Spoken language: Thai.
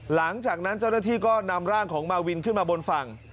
หลังจากนั้นเจ้าหน้าที่ก็นำร่างของมาวินขึ้นมาบนฝั่ง